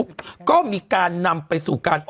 ปุ๊บก็มีการนำไปสู่